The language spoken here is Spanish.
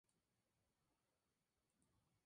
Silenciosamente y rápidamente se retiró del mercado.